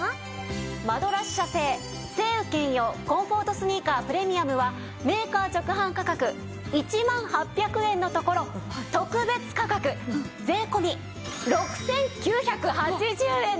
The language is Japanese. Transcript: マドラス社製晴雨兼用コンフォートスニーカープレミアムはメーカー直販価格１万８００円のところ特別価格税込６９８０円です。